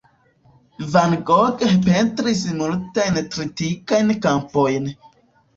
Van Gogh pentris multajn tritikajn kampojn.